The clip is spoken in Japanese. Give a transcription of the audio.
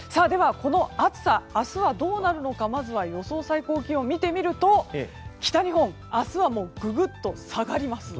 この暑さ明日はどうなるのかまずは予想最高気温を見てみると北日本、明日はググっと下がります。